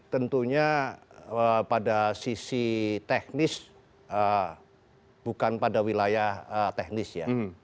tentunya pada sisi teknis bukan pada wilayah teknis ya